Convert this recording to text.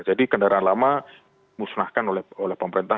jadi kendaraan lama musnahkan oleh pemerintah